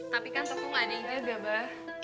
tapi kan tetep gak ada yang ada abah